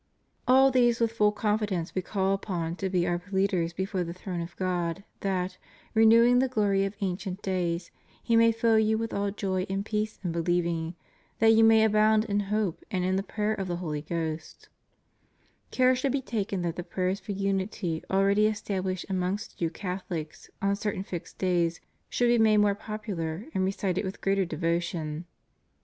All these with full confidence We call upon to be Our pleaders before the throne of God that, renewing the glory of ancient days, He may fill you with all joy and peace in believing: that you may abound in hope and in the poiver of the Holy Ghost} Care should be taken that the prayers for unity already estabhshed amongst you Catholics on certain fixed days should be made more popular and recited with greater devotion.